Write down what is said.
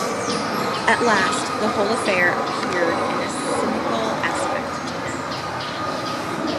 At last the whole affair appeared in a cynical aspect to him.